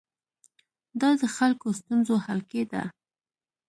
دا د خلکو ستونزو حل کې ده.